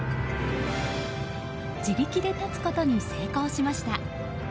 自力で立つことに成功しました。